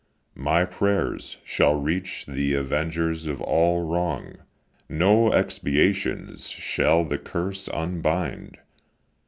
My prayers shall reach the avengers of all wrong; No expiations shall the curse unbind.